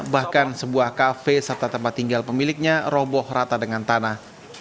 bahkan sebuah kafe serta tempat tinggal pemiliknya roboh rata dengan tanah